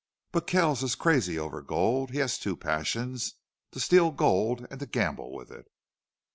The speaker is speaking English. "But Kells is crazy over gold. He has two passions. To steal gold, and to gamble with it."